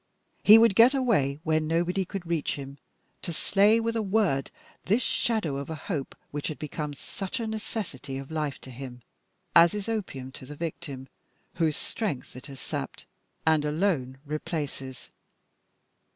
He would get away where nobody could reach him to slay with a word this shadow of a hope which had become such a necessity of life to him, as is opium to the victim whose strength it has sapped and alone replaces.